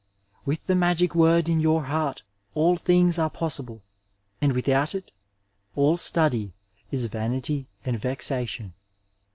With the magic word in your heart all things are possible, and without it all study is vanity and vexation.